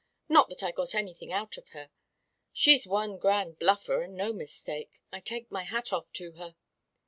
Not that I got anything out of her. She's one grand bluffer and no mistake. I take off my hat to her.